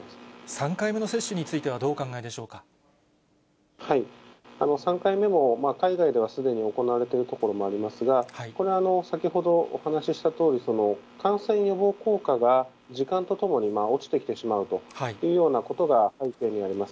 ３回目の接種についてはどう３回目も、海外ではすでに行われている所もありますが、これは先ほどお話ししたとおり、感染予防効果が時間とともに落ちてきてしまうというようなことが背景にあります。